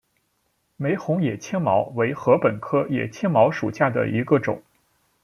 玫红野青茅为禾本科野青茅属下的一个种。